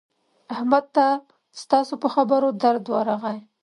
احمد ته ستاسو په خبره درد ورغی.